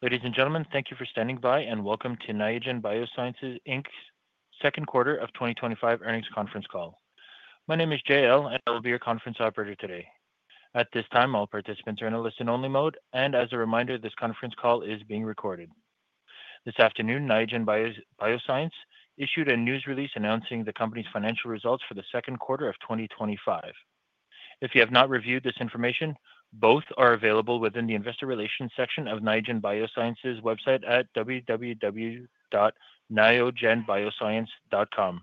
Ladies and gentlemen, thank you for standing by and welcome to Niagen Bioscience Inc.'s Second Quarter of 2025 Earnings Conference Call. My name is JL, and I will be your conference operator today. At this time, all participants are in a listen-only mode, and as a reminder, this conference call is being recorded. This afternoon, Niagen Bioscience issued a news release announcing the company's financial results for the second quarter of 2025. If you have not reviewed this information, both are available within the investor relations section of Niagen Bioscience's website at www.niagenbioscience.com.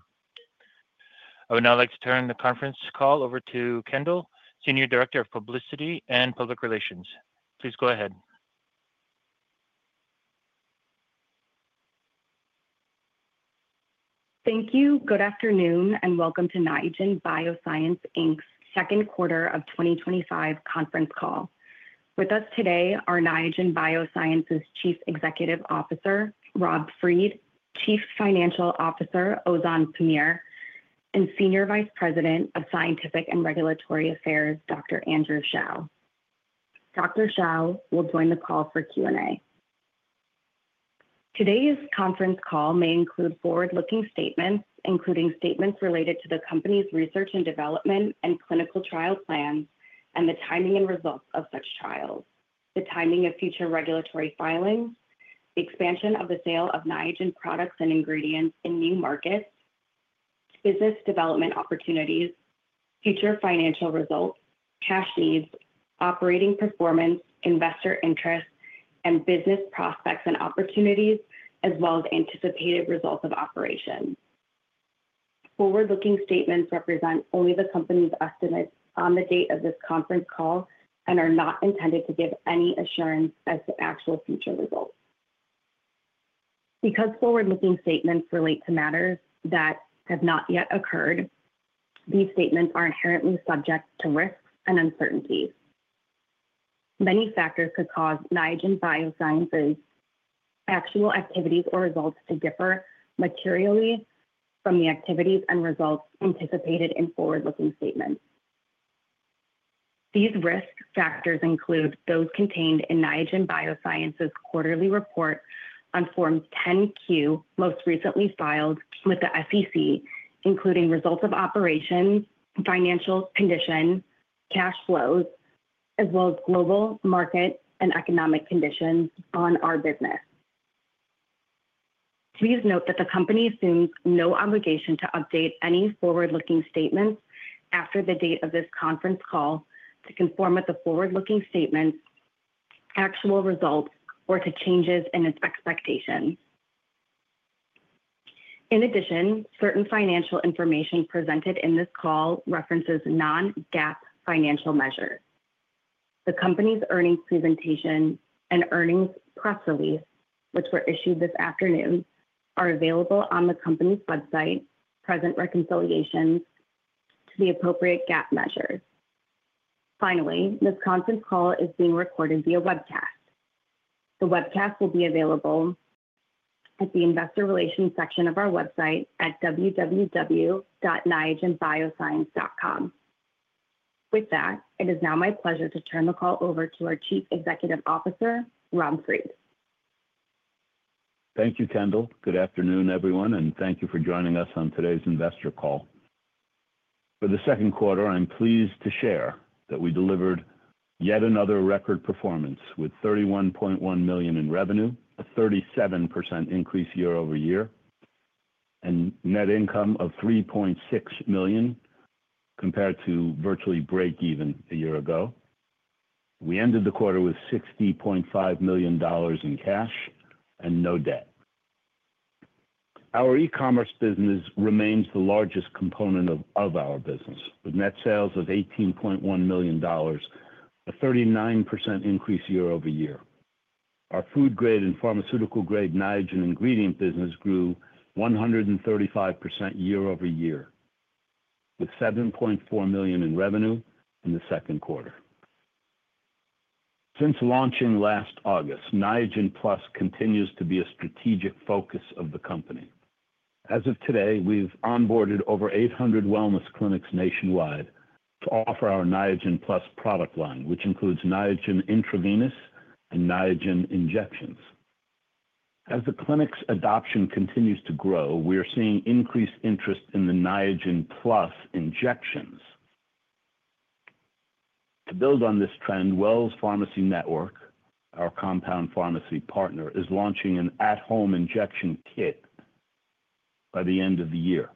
I would now like to turn the conference call over to Kendall, Senior Director of Publicity and Public Relations. Please go ahead. Thank you. Good afternoon and welcome to Niagen Bioscience Inc.'s Second Quarter of 2025 Conference Call. With us today are Niagen Bioscience's Chief Executive Officer, Rob Fried, Chief Financial Officer, Ozan Pamir, and Senior Vice President of Scientific and Regulatory Affairs, Dr. Andrew Xiao. Dr. Xiao will join the call for Q&A. Today's conference call may include forward-looking statements, including statements related to the company's research and development and clinical trial plans, and the timing and results of such trials, the timing of future regulatory filings, the expansion of the sale of Niagen products and ingredients in new markets, business development opportunities, future financial results, cash needs, operating performance, investor interest, and business prospects and opportunities, as well as anticipated results of operations. Forward-looking statements represent only the company's estimates on the date of this conference call and are not intended to give any assurance as to actual future results. Because forward-looking statements relate to matters that have not yet occurred, these statements are inherently subject to risks and uncertainty. Many factors could cause Niagen Bioscience's actual activities or results to differ materially from the activities and results anticipated in forward-looking statements. These risk factors include those contained in Niagen Bioscience's quarterly report on Form 10-Q, most recently filed with the SEC, including results of operations, financial condition, cash flows, as well as global market and economic conditions on our business. Please note that the company assumes no obligation to update any forward-looking statements after the date of this conference call to conform with the forward-looking statement's actual results or to changes in its expectation. In addition, certain financial information presented in this call references non-GAAP financial measures. The company's earnings presentation and earnings press release, which were issued this afternoon, are available on the company's website, present reconciliations to the appropriate GAAP measures. Finally, this conference call is being recorded via webcast. The webcast will be available at the investor relations section of our website at www.niagenbioscience.com. With that, it is now my pleasure to turn the call over to our Chief Executive Officer, Rob Fried. Thank you, Kendall. Good afternoon, everyone, and thank you for joining us on today's investor call. For the second quarter, I'm pleased to share that we delivered yet another record performance with $31.1 million in revenue, a 37% increase year-over-year, and net income of $3.6 million compared to virtually break even a year ago. We ended the quarter with $60.5 million in cash and no debt. Our e-commerce business remains the largest component of our business, with net sales of $18.1 million, a 39% increase year-over-year. Our food-grade and pharmaceutical-grade Niagen ingredient business grew 135% year-over-year, with $7.4 million in revenue in the second quarter. Since launching last August, Niagen Plus continues to be a strategic focus of the company. As of today, we've onboarded over 800 wellness clinics nationwide to offer our Niagen Plus product line, which includes Niagen intravenous and Niagen injections. As the clinics' adoption continues to grow, we are seeing increased interest in the Niagen Plus injections. To build on this trend, Wells Pharmacy Network, our compounding pharmacy partner, is launching an at-home injection kit by the end of the year.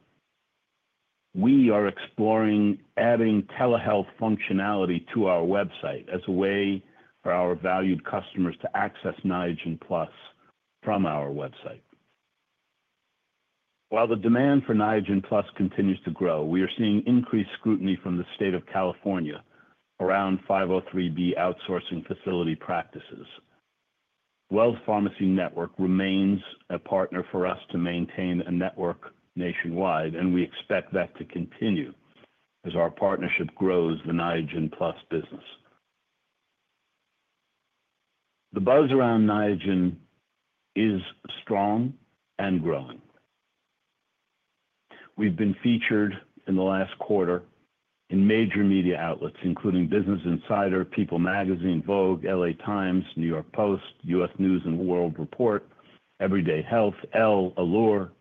We are exploring adding telehealth functionality to our website as a way for our valued customers to access Niagen Plus from our website. While the demand for Niagen Plus continues to grow, we are seeing increased scrutiny from the state of California around 503B outsourcing facility practices. Wells Pharmacy Network remains a partner for us to maintain a network nationwide, and we expect that to continue as our partnership grows the Niagen Plus business. The buzz around Niagen is strong and growing. We've been featured in the last quarter in major media outlets, including Business Insider, PEOPLE Magazine, Vogue, LA Times, New York Post, U.S. News and World Report, Everyday Health, ELLE, Allure.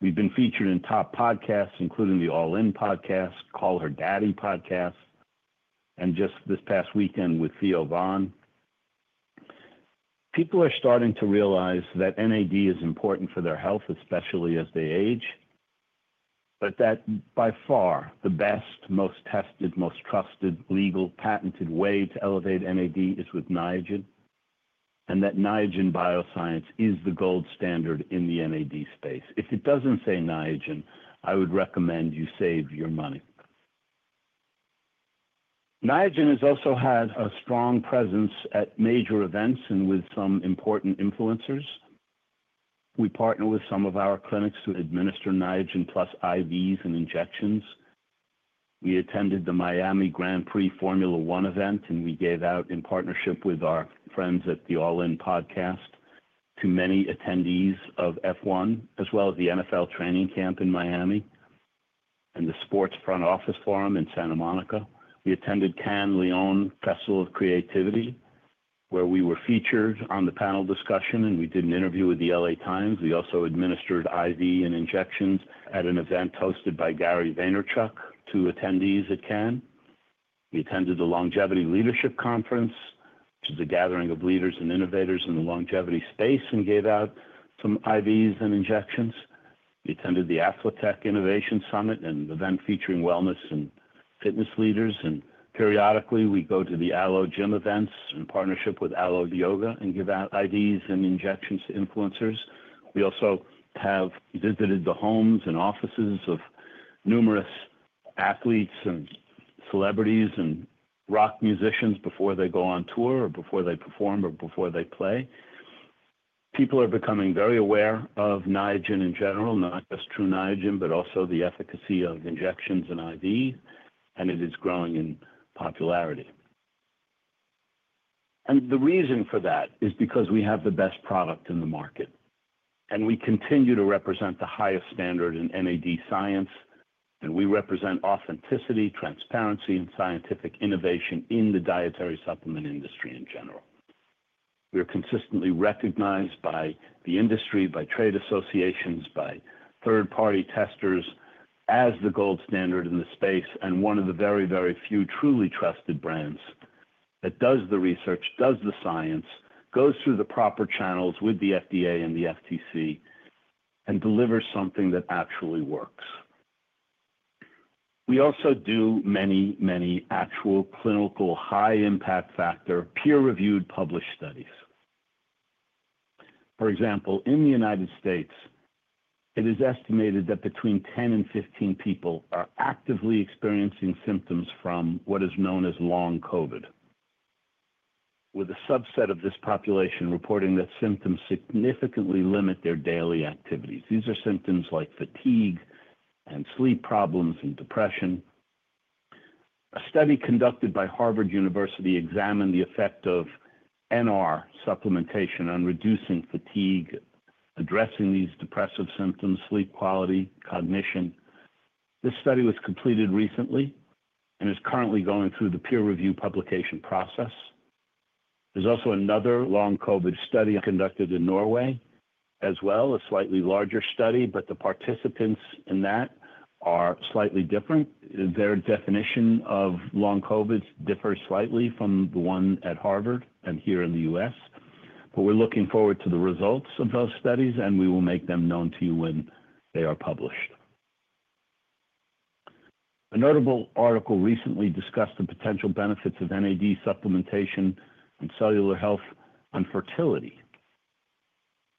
We've been featured in top podcasts, including the All-In podcast, Call Her Daddy podcast, and just this past weekend with Theo Vaughn. People are starting to realize that NAD is important for their health, especially as they age, but that by far the best, most tested, most trusted, legal, patented way to elevate NAD is with Niagen, and that Niagen Bioscience is the gold standard in the NAD space. If it doesn't say Niagen, I would recommend you save your money. Niagen has also had a strong presence at major events and with some important influencers. We partner with some of our clinics to administer Niagen Plus IVs and injections. We attended the Miami Grand Prix Formula One event, and we gave out, in partnership with our friends at the All-In podcast, to many attendees of F1, as well as the NFL training camp in Miami and the Sports Front Office Forum in Santa Monica. We attended Cannes Lions Festival of Creativity, where we were featured on the panel discussion, and we did an interview with the LA Times. We also administered IV and injections at an event hosted by Gary Vaynerchuk to attendees at Cannes. We attended the Longevity Leadership Conference, which is a gathering of leaders and innovators in the longevity space, and gave out some IVs and injections. We attended the Athletech Innovation Summit, an event featuring wellness and fitness leaders. Periodically, we go to the ALO Gym events in partnership with ALO Yoga and give out IVs and injections to influencers. We also have visited the homes and offices of numerous athletes and celebrities and rock musicians before they go on tour or before they perform or before they play. People are becoming very aware of Niagen in general, not just Tru Niagen, but also the efficacy of injections and IV, and it is growing in popularity. The reason for that is because we have the best product in the market, and we continue to represent the highest standard in NAD science, and we represent authenticity, transparency, and scientific innovation in the dietary supplement industry in general. We are consistently recognized by the industry, by trade associations, by third-party testers as the gold standard in the space and one of the very, very few truly trusted brands that does the research, does the science, goes through the proper channels with the FDA and the FTC, and delivers something that actually works. We also do many, many actual clinical high-impact factor, peer-reviewed, published studies. For example, in the United States, it is estimated that between 10 and 15 people are actively experiencing symptoms from what is known as long COVID, with a subset of this population reporting that symptoms significantly limit their daily activities. These are symptoms like fatigue and sleep problems and depression. A study conducted by Harvard University examined the effect of NR supplementation on reducing fatigue, addressing these depressive symptoms, sleep quality, cognition. This study was completed recently and is currently going through the peer-reviewed publication process. There's also another long COVID study conducted in Norway as well, a slightly larger study, but the participants in that are slightly different. Their definition of long COVID differs slightly from the one at Harvard and here in the U.S. We are looking forward to the results of those studies, and we will make them known to you when they are published. A notable article recently discussed the potential benefits of NAD supplementation and cellular health on fertility.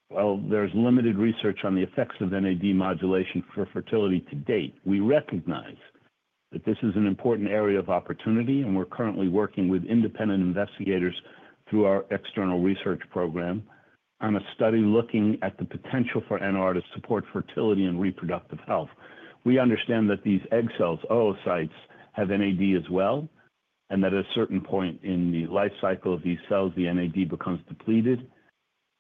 While there's limited research on the effects of NAD modulation for fertility to date, we recognize that this is an important area of opportunity, and we're currently working with independent investigators through our external research program on a study looking at the potential for NR to support fertility and reproductive health. We understand that these egg cells, oocytes, have NAD as well, and that at a certain point in the life cycle of these cells, the NAD becomes depleted,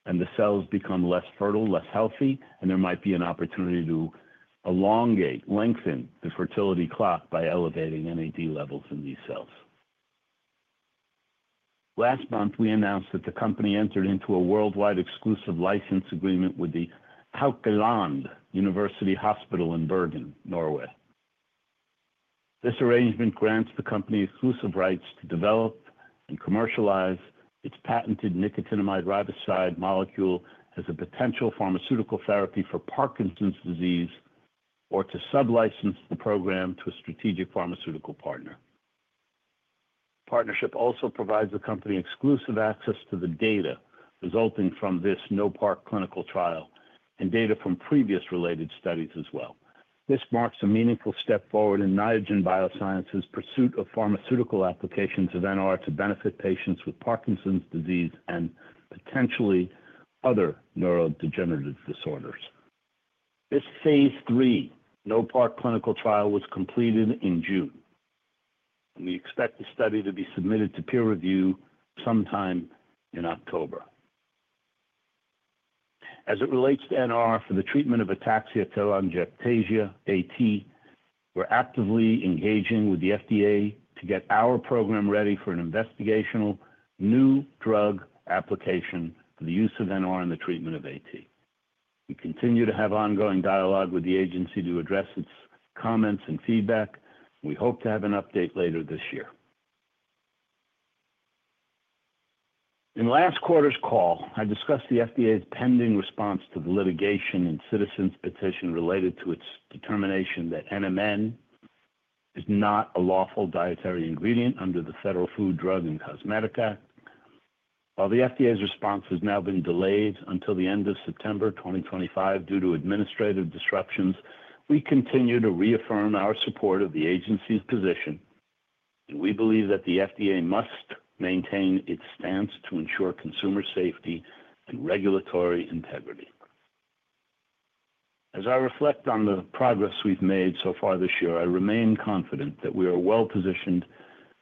and the cells become less fertile, less healthy, and there might be an opportunity to elongate, lengthen the fertility clock by elevating NAD levels in these cells. Last month, we announced that the company entered into a worldwide exclusive license agreement with the Haukeland University Hospital in Bergen, Norway. This arrangement grants the company exclusive rights to develop and commercialize its patented nicotinamide riboside molecule as a potential pharmaceutical therapy for Parkinson's disease, or to sub-license the program to a strategic pharmaceutical partner. The partnership also provides the company exclusive access to the data resulting from this NOPARK clinical trial and data from previous related studies as well. This marks a meaningful step forward in Niagen Bioscience's pursuit of pharmaceutical applications of NR to benefit patients with Parkinson's disease and potentially other neurodegenerative disorders. This phase III NOPARK clinical trial was completed in June, and we expect the study to be submitted to peer review sometime in October. As it relates to NR for the treatment of ataxia telangiectasia (AT), we're actively engaging with the FDA to get our program ready for an investigational new drug application, the use of NR in the treatment of AT. We continue to have ongoing dialogue with the agency to address its comments and feedback. We hope to have an update later this year. In last quarter's call, I discussed the FDA's pending response to the litigation and citizens' petition related to its determination that NMN is not a lawful dietary ingredient under the Federal Food Drug and Cosmetics Act. While the FDA's response has now been delayed until the end of September 2025 due to administrative disruptions, we continue to reaffirm our support of the agency's position, and we believe that the FDA must maintain its stance to ensure consumer safety and regulatory integrity. As I reflect on the progress we've made so far this year, I remain confident that we are well positioned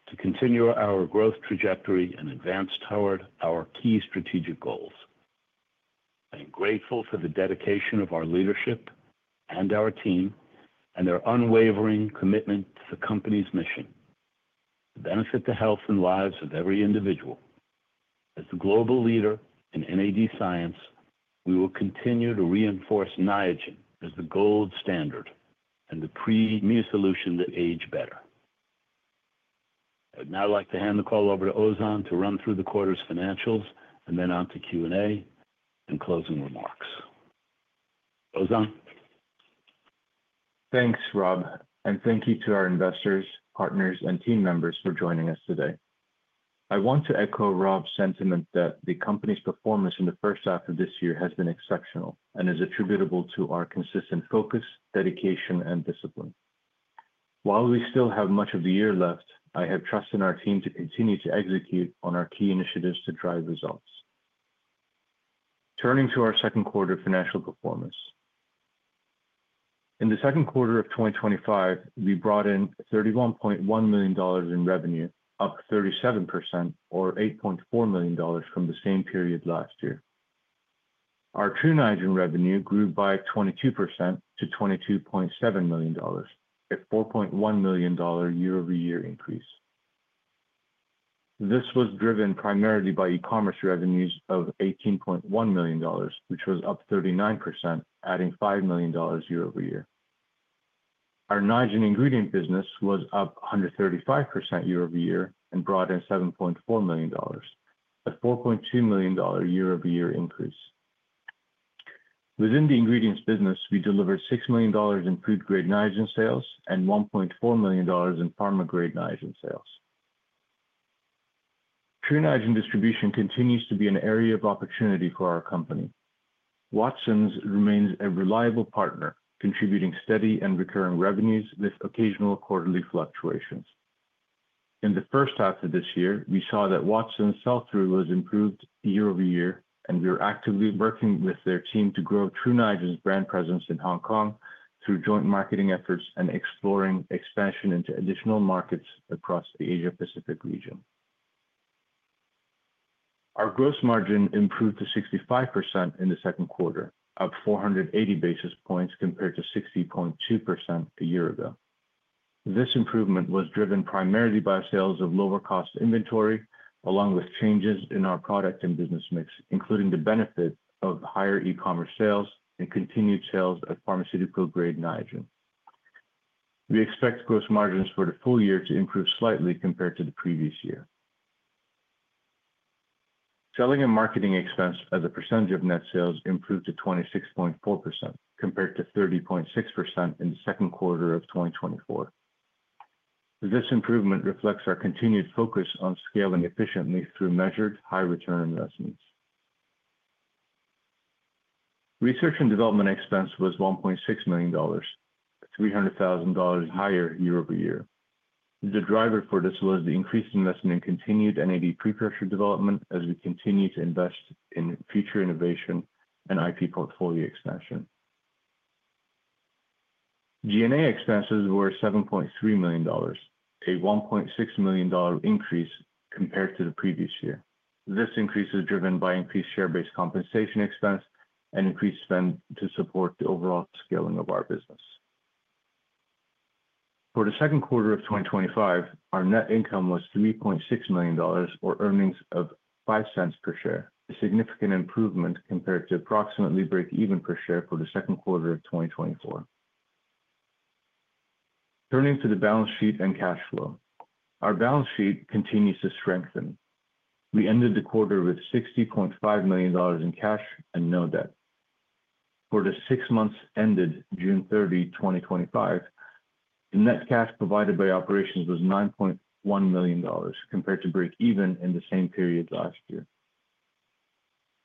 to continue our growth trajectory and advance toward our key strategic goals. I am grateful for the dedication of our leadership and our team and their unwavering commitment to the company's mission to benefit the health and lives of every individual. As the global leader in NAD science, we will continue to reinforce Niagen as the gold standard and the premier solution that age better. I would now like to hand the call over to Ozan to run through the quarter's financials and then on to Q&A and closing remarks. Ozan. Thanks, Rob, and thank you to our investors, partners, and team members for joining us today. I want to echo Rob's sentiment that the company's performance in the first half of this year has been exceptional and is attributable to our consistent focus, dedication, and discipline. While we still have much of the year left, I have trust in our team to continue to execute on our key initiatives to drive results. Turning to our second quarter financial performance. In the second quarter of 2025, we brought in $31.1 million in revenue, up 37% or $8.4 million from the same period last year. Our Tru Niagen revenue grew by 22% to $22.7 million, a $4.1 million year-over-year increase. This was driven primarily by e-commerce revenues of $18.1 million, which was up 39%, adding $5 million year-over-year. Our Niagen ingredient business was up 135% year-over-year and brought in $7.4 million, a $4.2 million year-over-year increase. Within the ingredients business, we delivered $6 million in food-grade Niagen sales and $1.4 million in pharma-grade Niagen sales. Tru Niagen distribution continues to be an area of opportunity for our company. Watsons remains a reliable partner, contributing steady and recurring revenues with occasional quarterly fluctuations. In the first half of this year, we saw that Watsons' sell-through was improved year-over-year, and we are actively working with their team to grow Tru Niagen's brand presence in Hong Kong through joint marketing efforts and exploring expansion into additional markets across the Asia-Pacific region. Our gross margin improved to 65% in the second quarter, up 480 basis points compared to 60.2% a year ago. This improvement was driven primarily by sales of lower-cost inventory, along with changes in our product and business mix, including the benefit of higher e-commerce sales and continued sales of pharmaceutical-grade Niagen. We expect gross margins for the full year to improve slightly compared to the previous year. Selling and marketing expense as a percentage of net sales improved to 26.4% compared to 30.6% in the second quarter of 2024. This improvement reflects our continued focus on scaling efficiently through measured high-return investments. Research and development expense was $1.6 million, $300,000 higher year-over-year. The driver for this was the increased investment in continued NAD pre-production development as we continue to invest in future innovation and IP portfolio expansion. G&A expenses were $7.3 million, a $1.6 million increase compared to the previous year. This increase is driven by increased share-based compensation expense and increased spend to support the overall scaling of our business. For the second quarter of 2025, our net income was $3.6 million, or earnings of $0.05 per share, a significant improvement compared to approximately break-even per share for the second quarter of 2024. Turning to the balance sheet and cash flow, our balance sheet continues to strengthen. We ended the quarter with $60.5 million in cash and no debt. For the six months ended June 30, 2025, the net cash provided by operations was $9.1 million compared to break-even in the same period last year.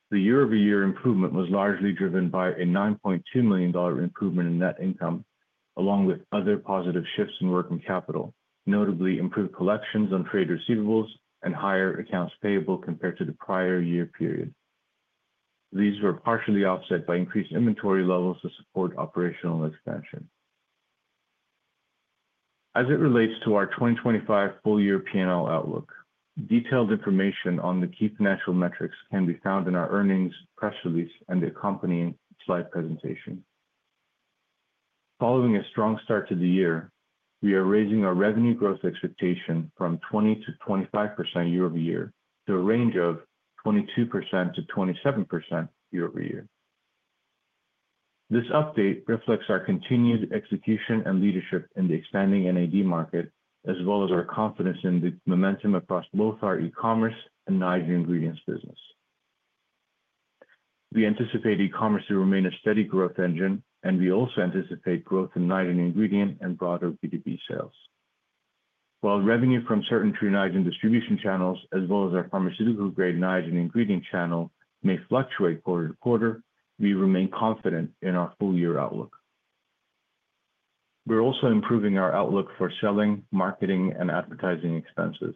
The year-over-year improvement was largely driven by a $9.2 million improvement in net income, along with other positive shifts in working capital, notably improved collections on trade receivables and higher accounts payable compared to the prior year period. These were partially offset by increased inventory levels to support operational expansion. As it relates to our 2025 full-year P&L outlook, detailed information on the key financial metrics can be found in our earnings press release and the accompanying slide presentation. Following a strong start to the year, we are raising our revenue growth expectation from 20% to 25% year-over-year to a range of 22%-27% year-over-year. This update reflects our continued execution and leadership in the expanding NAD market, as well as our confidence in the momentum across both our e-commerce and Niagen ingredient business. We anticipate e-commerce to remain a steady growth engine, and we also anticipate growth in Niagen ingredient and broader B2B sales. While revenue from certain Tru Niagen distribution channels, as well as our pharmaceutical-grade Niagen ingredient channel, may fluctuate quarter to quarter, we remain confident in our full-year outlook. We're also improving our outlook for selling, marketing, and advertising expenses.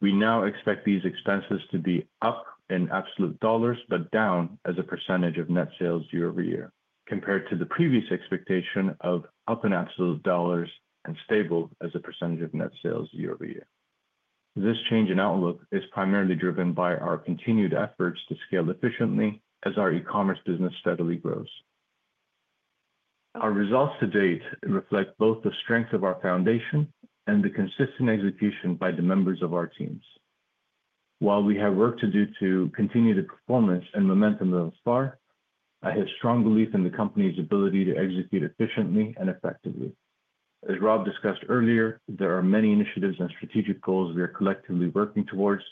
We now expect these expenses to be up in absolute dollars, but down as a percentage of net sales year-over-year, compared to the previous expectation of up in absolute dollars and stable as a percentage of net sales year-over-year. This change in outlook is primarily driven by our continued efforts to scale efficiently as our e-commerce business steadily grows. Our results to date reflect both the strength of our foundation and the consistent execution by the members of our teams. While we have work to do to continue the performance and momentum thus far, I have strong belief in the company's ability to execute efficiently and effectively. As Rob discussed earlier, there are many initiatives and strategic goals we are collectively working towards,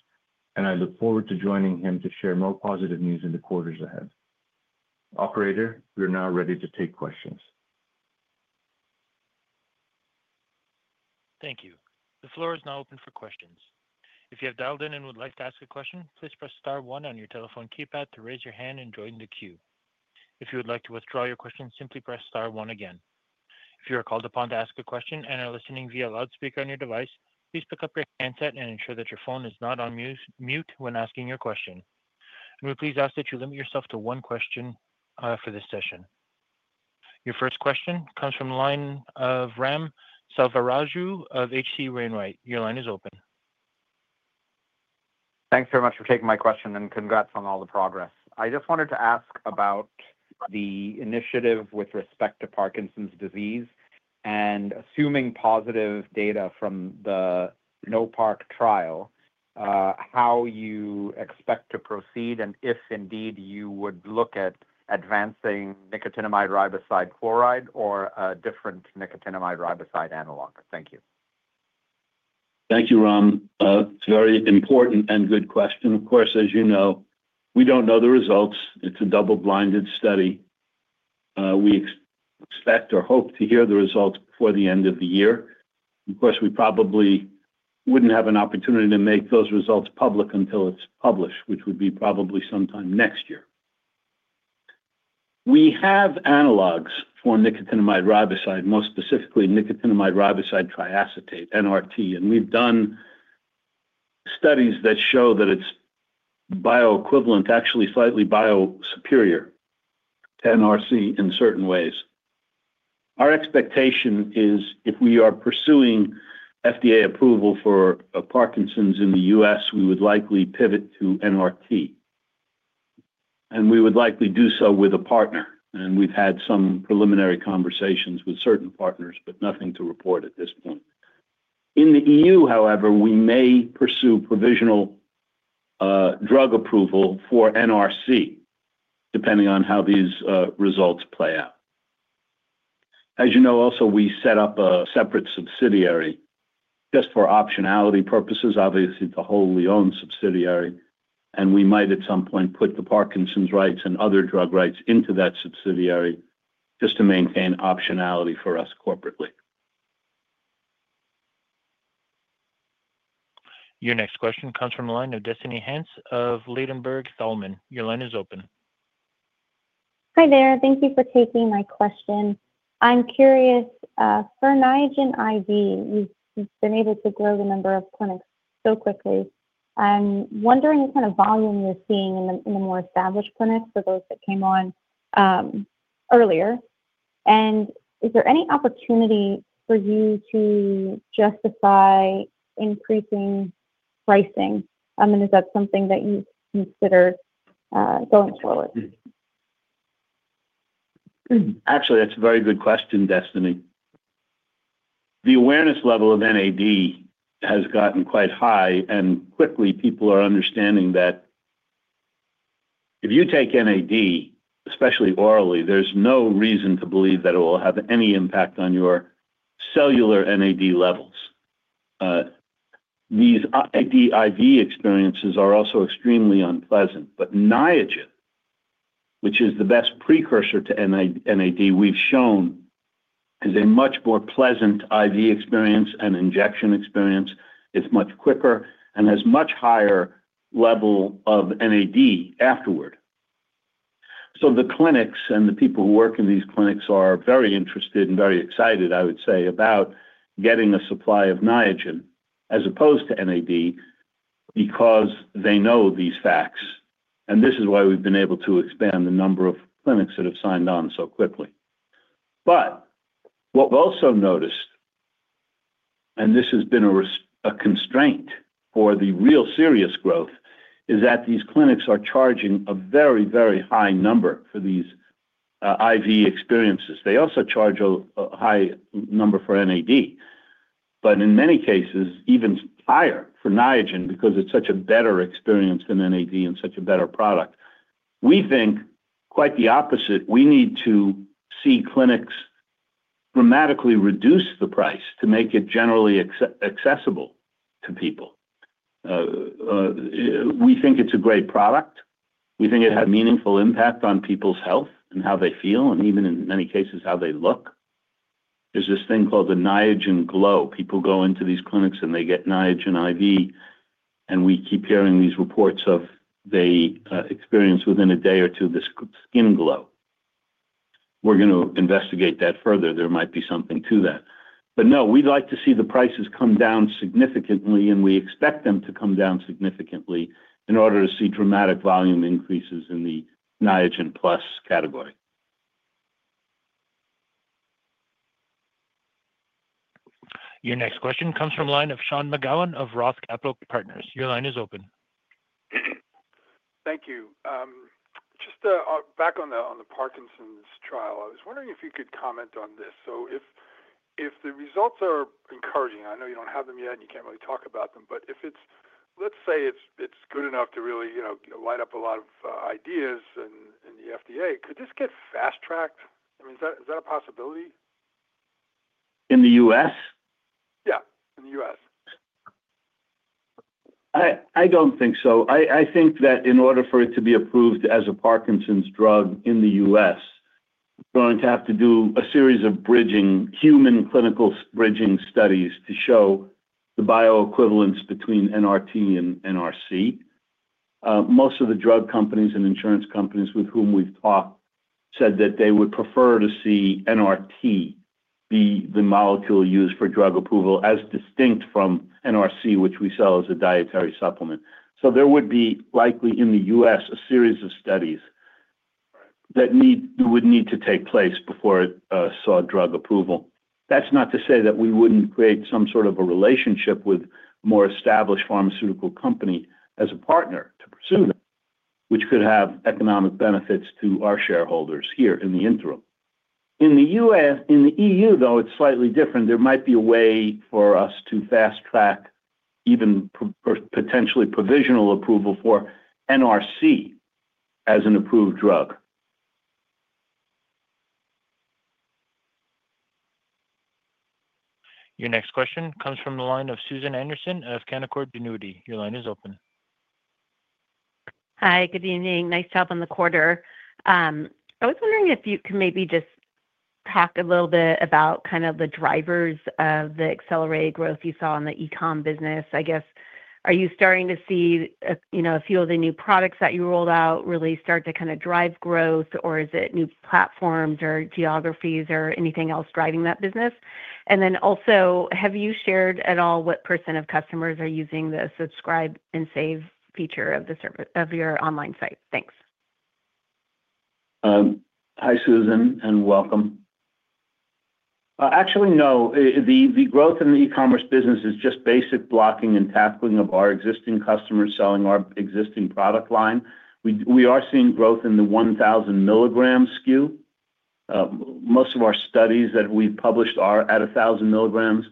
and I look forward to joining him to share more positive news in the quarters ahead. Operator, we're now ready to take questions. Thank you. The floor is now open for questions. If you have dialed in and would like to ask a question, please press star one on your telephone keypad to raise your hand and join the queue. If you would like to withdraw your question, simply press star one again. If you are called upon to ask a question and are listening via a loudspeaker on your device, please pick up your handset and ensure that your phone is not on mute when asking your question. We ask that you limit yourself to one question for this session. Your first question comes from the line of Ram Selvaraju of H.C. Wainwright. Your line is open. Thanks very much for taking my question and congrats on all the progress. I just wanted to ask about the initiative with respect to Parkinson’s disease and assuming positive data from the NOPARK trial, how you expect to proceed and if indeed you would look at advancing nicotinamide riboside chloride or a different nicotinamide riboside analog. Thank you. Thank you, Ram. It's a very important and good question. Of course, as you know, we don't know the results. It's a double-blinded study. We expect or hope to hear the results before the end of the year. Of course, we probably wouldn't have an opportunity to make those results public until it's published, which would be probably sometime next year. We have analogs for nicotinamide riboside, most specifically nicotinamide riboside triacetate, NRT, and we've done studies that show that it's bioequivalent, actually slightly biosuperior to NRT in certain ways. Our expectation is if we are pursuing FDA approval for Parkinson's in the U.S., we would likely pivot to NRT. We would likely do so with a partner. We've had some preliminary conversations with certain partners, but nothing to report at this point. In the EU, however, we may pursue provisional drug approval for NRC, depending on how these results play out. As you know, also, we set up a separate subsidiary just for optionality purposes. Obviously, it's a wholly owned subsidiary. We might at some point put the Parkinson's rights and other drug rights into that subsidiary just to maintain optionality for us corporately. Your next question comes from the line of Destiny Hance of Ladenburg Thalmann. Your line is open. Hi there. Thank you for taking my question. I'm curious, for Niagen IV, you've been able to grow the number of clinics so quickly. I'm wondering the kind of volume you're seeing in the more established clinics for those that came on earlier. Is there any opportunity for you to justify increasing pricing? I mean, is that something that you consider going forward? Actually, that's a very good question, Destiny. The awareness level of NAD has gotten quite high, and quickly people are understanding that if you take NAD, especially orally, there's no reason to believe that it will have any impact on your cellular NAD levels. These IV experiences are also extremely unpleasant. Niagen, which is the best precursor to NAD, we've shown is a much more pleasant IV experience and injection experience. It's much quicker and has a much higher level of NAD afterward. The clinics and the people who work in these clinics are very interested and very excited, I would say, about getting a supply of Niagen as opposed to NAD because they know these facts. This is why we've been able to expand the number of clinics that have signed on so quickly. What we've also noticed, and this has been a constraint for the real serious growth, is that these clinics are charging a very, very high number for these IV experiences. They also charge a high number for NAD. In many cases, even higher for Niagen because it's such a better experience than NAD and such a better product. We think quite the opposite. We need to see clinics dramatically reduce the price to make it generally accessible to people. We think it's a great product. We think it has a meaningful impact on people's health and how they feel, and even in many cases, how they look. There's this thing called the Niagen glow. People go into these clinics and they get Niagen IV, and we keep hearing these reports of the experience within a day or two, this skin glow. We're going to investigate that further. There might be something to that. We'd like to see the prices come down significantly, and we expect them to come down significantly in order to see dramatic volume increases in the Niagen Plus category. Your next question comes from the line of Sean McGowan of ROTH Capital Partners. Your line is open. Thank you. Just back on the Parkinson’s trial, I was wondering if you could comment on this. If the results are encouraging, I know you don’t have them yet and you can’t really talk about them, but if it’s, let’s say it’s good enough to really, you know, light up a lot of ideas in the FDA, could this get fast-tracked? I mean, is that a possibility? In the U.S.? Yeah, in the U.S. I don't think so. I think that in order for it to be approved as a Parkinson's drug in the U.S., we're going to have to do a series of human clinical bridging studies to show the bioequivalence between NRT and NRC. Most of the drug companies and insurance companies with whom we've talked said that they would prefer to see NRT be the molecule used for drug approval as distinct from NRC, which we sell as a dietary supplement. There would likely be in the U.S. a series of studies that would need to take place before it saw drug approval. That's not to say that we wouldn't create some sort of a relationship with a more established pharmaceutical company as a partner to pursue them, which could have economic benefits to our shareholders here in the interim. In the U.S., in the EU, though, it's slightly different. There might be a way for us to fast-track even potentially provisional approval for NRC as an approved drug. Your next question comes from the line of Susan Anderson of Canaccord Genuity. Your line is open. Hi, good evening. Nice job on the quarter. I was wondering if you could maybe just talk a little bit about the drivers of the accelerated growth you saw in the e-comm business. I guess, are you starting to see a few of the new products that you rolled out really start to drive growth, or is it new platforms or geographies or anything else driving that business? Also, have you shared at all what % of customers are using the subscribe and save feature of your online site? Thanks. Hi, Susan, and welcome. Actually, no. The growth in the e-commerce business is just basic blocking and tackling of our existing customers selling our existing product line. We are seeing growth in the 1,000 mg SKU. Most of our studies that we've published are at 1,000 mg,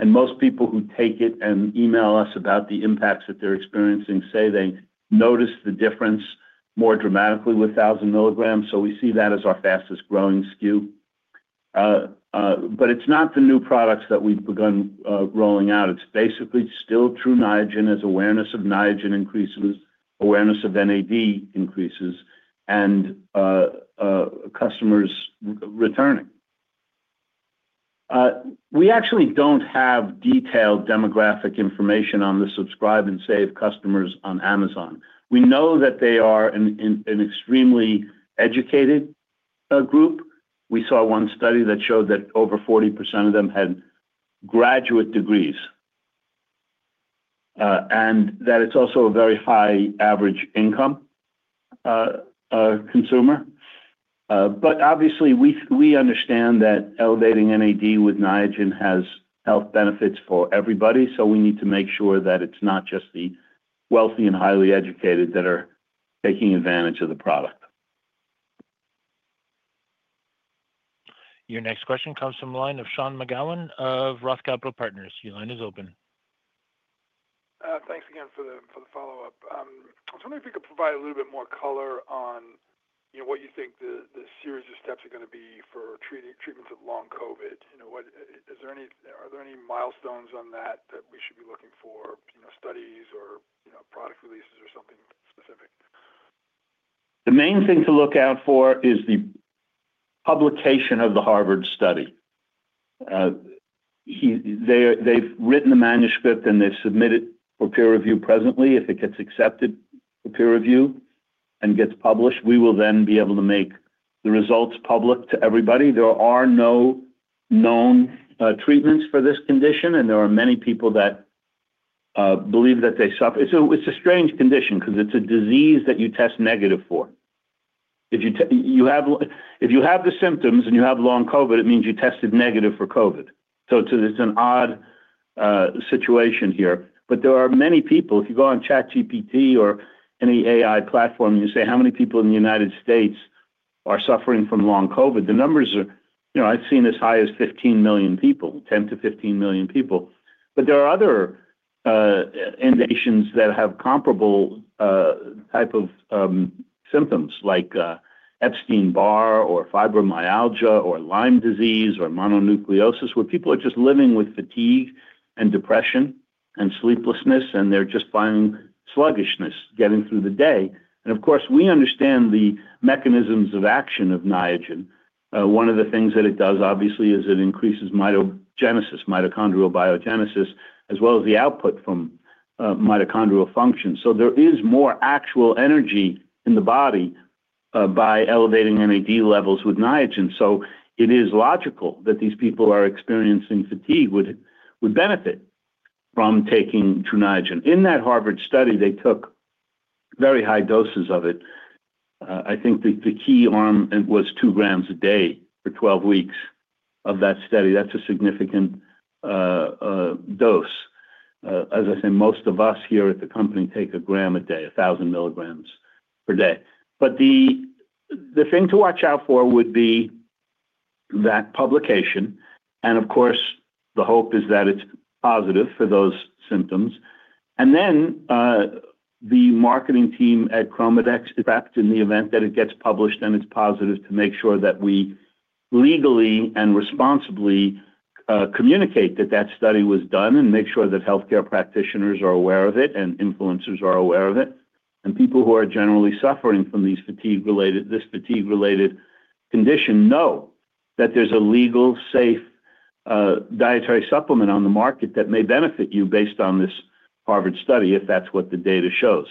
and most people who take it and email us about the impacts that they're experiencing say they notice the difference more dramatically with 1,000 mg. We see that as our fastest growing SKU. It's not the new products that we've begun rolling out. It's basically still Tru Niagen as awareness of Niagen increases, awareness of NAD increases, and customers returning. We actually don't have detailed demographic information on the subscribe and save customers on Amazon. We know that they are an extremely educated group. We saw one study that showed that over 40% of them had graduate degrees and that it's also a very high average income consumer. Obviously, we understand that elevating NAD with Niagen has health benefits for everybody, so we need to make sure that it's not just the wealthy and highly educated that are taking advantage of the product. Your next question comes from the line of Sean McGowan of ROTH Capital Partners. Your line is open. Thanks again for the follow-up. I was wondering if you could provide a little bit more color on what you think the series of steps are going to be for treatments of long COVID. Is there any, are there any milestones on that that we should be looking for, studies or product releases or something specific? The main thing to look out for is the publication of the Harvard study. They've written the manuscript, and they've submitted for peer review presently. If it gets accepted for peer review and gets published, we will then be able to make the results public to everybody. There are no known treatments for this condition, and there are many people that believe that they suffer. It's a strange condition because it's a disease that you test negative for. If you have the symptoms and you have long COVID, it means you tested negative for COVID. It's an odd situation here. There are many people, if you go on ChatGPT or any AI platform, you say how many people in the United States. are suffering from long COVID. The numbers are, you know, I've seen as high as 15 million people, 10 million-15 million people. There are other nations that have comparable type of symptoms like Epstein-Barr or fibromyalgia or Lyme disease or mononucleosis, where people are just living with fatigue and depression and sleeplessness, and they're just finding sluggishness getting through the day. Of course, we understand the mechanisms of action of Niagen. One of the things that it does, obviously, is it increases mitochondrial biogenesis, as well as the output from mitochondrial function. There is more actual energy in the body by elevating NAD levels with Niagen. It is logical that these people who are experiencing fatigue would benefit from taking Tru Niagen. In that Harvard study, they took very high doses of it. I think the key arm was 2 g a day for 12 weeks of that study. That's a significant dose. As I said, most of us here at the company take a gram a day, 1,000 mg per day. The thing to watch out for would be that publication, and of course, the hope is that it's positive for those symptoms. The marketing team at ChromaDex is prepped in the event that it gets published and it's positive to make sure that we legally and responsibly communicate that that study was done and make sure that healthcare practitioners are aware of it and influencers are aware of it. People who are generally suffering from this fatigue-related condition know that there's a legal, safe dietary supplement on the market that may benefit you based on this Harvard study if that's what the data shows.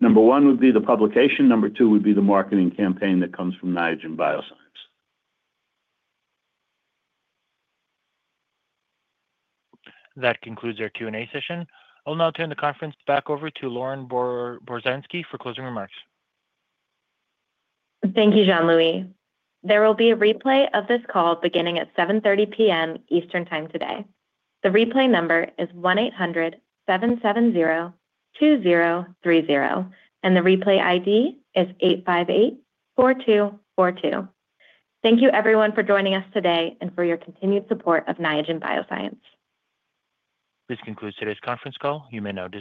Number one would be the publication. Number two would be the marketing campaign that comes from Niagen Bioscience. That concludes our Q&A session. I'll now turn the conference back over to Lauren Borzansky for closing remarks. Thank you, Jean-Louis. There will be a replay of this call beginning at 7:30 P.M. Eastern Time today. The replay number is 1-800-770-2030, and the replay ID is 858-4242. Thank you, everyone, for joining us today and for your continued support of Niagen Bioscience. This concludes today's conference call. You may now disconnect.